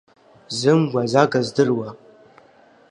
Зымгәа азага здыруа…